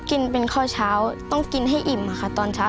กินเป็นข้อเช้าต้องกินให้อิ่มค่ะตอนเช้า